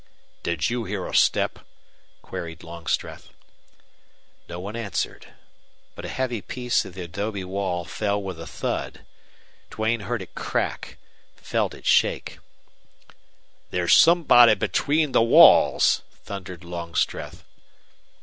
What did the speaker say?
"Did you hear a step?" queried Longstreth. No one answered. But a heavy piece of the adobe wall fell with a thud. Duane heard it crack, felt it shake. "There's somebody between the walls!" thundered Longstreth.